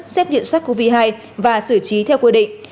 xếp điện sách covid một mươi chín và xử trí theo quy định